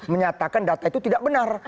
menyatakan data itu tidak benar